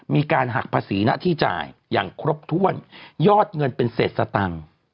มีการหักภาษีหน้าที่จ่ายอย่างครบถ้วนยอดเงินเป็นเศษสตังค์